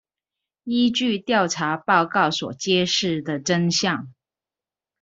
依據調查報告所揭示的真相